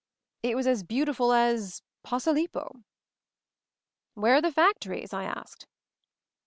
It was as beautiful as — Posilippo." "Where are the factories ?" I asked.